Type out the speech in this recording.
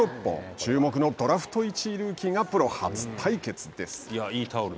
注目のドラフト１位ルーキーがプロ初対決です。